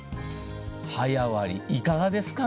早割りいかがですか？